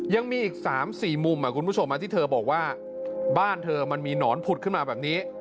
ยังมีอีก๓๔มุมคุณผู้ชมที่เธอบอกว่าบ้านเธอมันมีหนอนผุดขึ้นมาแบบนี้